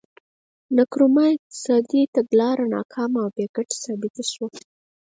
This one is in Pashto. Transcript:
د نکرومه اقتصادي تګلاره ناکامه او بې ګټې ثابته شوه.